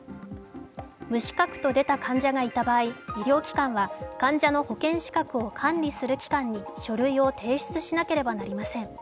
無資格と出た患者がいた場合、医療機関は患者の保険資格を管理する機関に書類を提出しなければなりません。